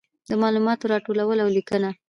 د معلوماتو راټولول او لیکنه.